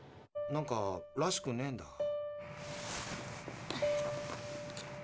なんからしくねえんだ。